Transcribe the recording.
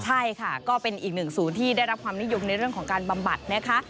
ใช่ค่ะก็เป็นอีกหนึ่งศูนย์ที่ได้รับความนิยมในเรื่องของการบำบัดนะคะ